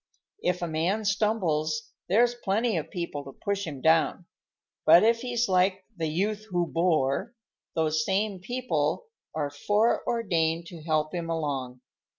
If a man stumbles, there's plenty of people to push him down. But if he's like 'the youth who bore,' those same people are foreordained to help him along.